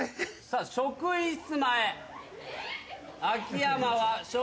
職員室前。